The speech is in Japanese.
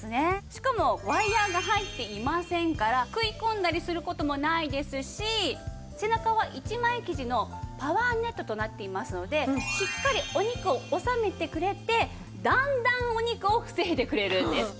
しかもワイヤが入っていませんから食い込んだりする事もないですし背中は１枚生地のパワーネットとなっていますのでしっかりお肉を収めてくれて段々お肉を防いでくれるんです。